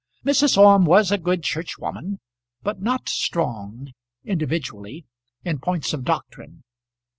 Mrs. Orme was a good churchwoman but not strong, individually, in points of doctrine.